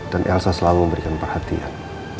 elsa selalu memberikan perhatian